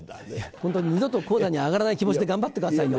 ホントに二度と高座に上がらない気持ちで頑張ってくださいよ。